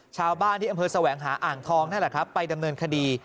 ชาวบ้านที่อำเภอแสวงหาอ่างทองนั่นแหละครับไปดำเนินคดี